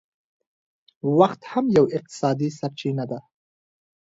وخت هم یو اقتصادي سرچینه ده